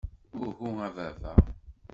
Uhu a baba!